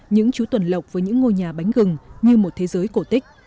những chú tuần lộc với những ngôi nhà bánh gừng như một thế giới cổ tích